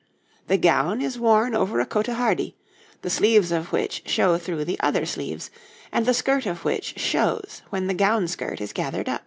The gown is worn over a cotehardie, the sleeves of which show through the other sleeves, and the skirt of which shows when the gown skirt is gathered up.